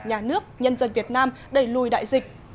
nhà nước nhân dân việt nam đẩy lùi đại dịch